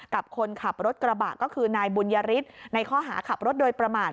กับคนขับรถกระบะก็คือนายบุญยฤทธิ์ในข้อหาขับรถโดยประมาท